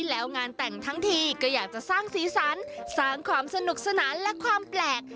แล้วงานแต่งทั้งทีก็อยากจะสร้างสีสันสร้างความสนุกสนานและความแปลก